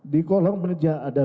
di kolong meja ada